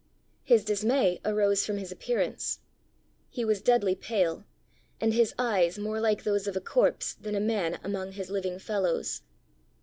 His dismay arose from his appearance: he was deadly pale, and his eyes more like those of a corpse than a man among his living fellows.